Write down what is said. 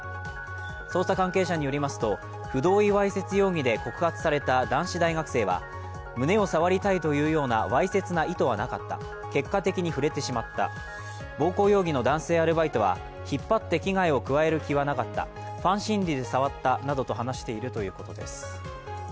捜査関係者によりますと、不同意わいせつ容疑で告発された男子大学生は胸を触りたいというようなわいせつな意図はなかった結果的に触れてしまった、暴行容疑の男性アルバイトは引っ張って危害を加える気はなかった、ファン心理で触ったなどと話しているということです。